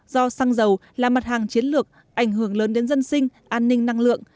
do xăng dầu là mặt hàng chiến lược ảnh hưởng lớn đến dân sinh an ninh năng lượng